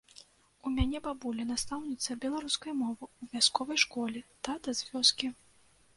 У мяне бабуля настаўніца беларускай мовы ў вясковай школе, тата з вёскі.